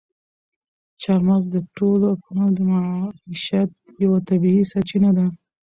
چار مغز د ټولو افغانانو د معیشت یوه طبیعي سرچینه ده.